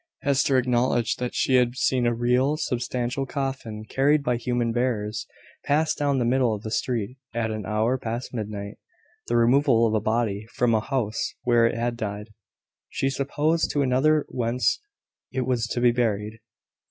Hester acknowledged that she had seen a real substantial coffin, carried by human bearers, pass down the middle of the street, at an hour past midnight; the removal of a body from a house where it had died, she supposed, to another whence it was to be buried.